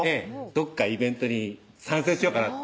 どこかイベントに参戦しようかな